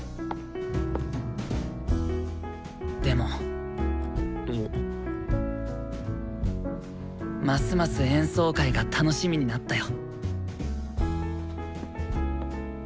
でもますます演奏会が楽しみになったよ。